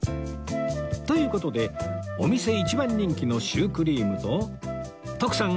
という事でお店一番人気のシュークリームと徳さん